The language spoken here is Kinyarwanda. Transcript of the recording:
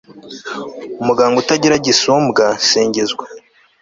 muganga utagira gisumbwa, singizwa